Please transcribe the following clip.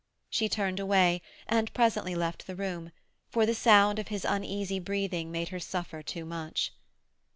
She turned away, and presently left the room, for the sound of his uneasy breathing made her suffer too much.